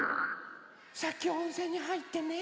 さっきおんせんにはいってね